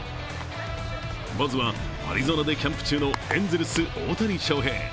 まずはアリゾナでキャンプ中のエンゼルス・大谷翔平。